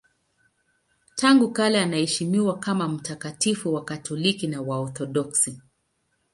Tangu kale anaheshimiwa kama mtakatifu na Wakatoliki na Waorthodoksi.